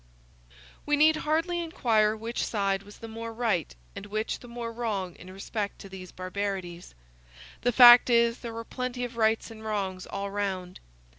We need hardly inquire which side was the more right and which the more wrong in respect to these barbarities. The fact is, there were plenty of rights and wrongs all round.